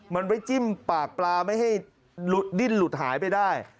มันไว้จิ้มปากปลาไม่ให้ดิ้นหลุดหายไปได้